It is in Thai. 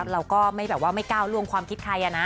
เราก็ไม่แบบว่าไม่ก้าวล่วงความคิดใครนะ